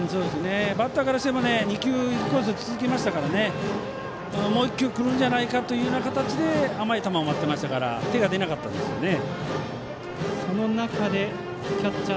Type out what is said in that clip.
バッターからしても２球インコース続きましたからもう１球くるんじゃないかというような形で甘い球を待ってましたから手が出なかったですよね。